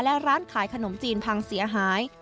และร้านขายขนมจีนพังเสียหาย